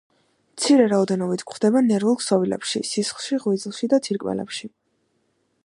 მცირე რაოდენობით გვხვდება ნერვულ ქსოვილებში, სისხლში, ღვიძლში და თირკმელებში.